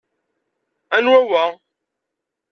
Anwa wa?